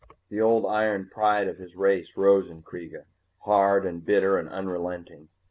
The old iron pride of his race rose in Kreega, hard and bitter and unrelenting.